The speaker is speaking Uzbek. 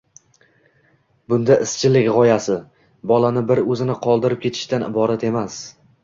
Bunda, izchillik g‘oyasi – bolani bir o‘zini qoldirib ketishdan iborat emas